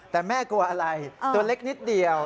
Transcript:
แต่แม่กลัวอะไรตัวเล็กนิดเดียว